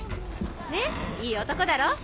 ねっいい男だろ？